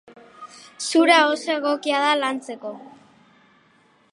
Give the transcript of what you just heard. Zura oso egokia da lantzeko.